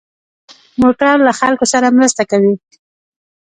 موټر له خلکو سره مرسته کوي.